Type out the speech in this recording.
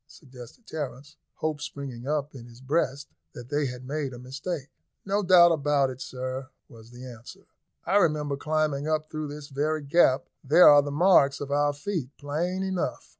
suggested Terence, hope springing up in his breast that they had made a mistake. "No doubt about it, sir," was the answer; "I remember climbing up through this very gap; there are the marks of our feet plain enough."